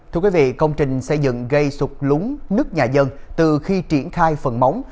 thưa quý vị công trình xây dựng gây sụp lúng nứt nhà dân từ khi triển khai phần móng